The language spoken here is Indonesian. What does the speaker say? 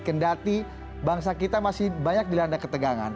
kendati bangsa kita masih banyak dilanda ketegangan